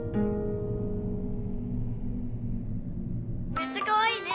めっちゃかわいいね。